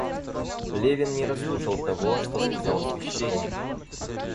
Левин не расслушал того, что сказал священник.